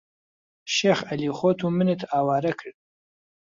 شێخ عەلی خۆت و منت ئاوارە کرد